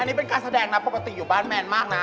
อันนี้เป็นการแสดงนะปกติอยู่บ้านแมนมากนะ